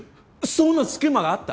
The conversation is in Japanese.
そんな隙間があった？